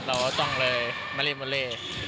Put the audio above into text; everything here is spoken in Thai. เราต้องเลยมาเล่นวอเล่